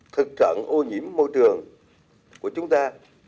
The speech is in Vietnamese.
thực trạng ô nhiễm môi trường của chúng ta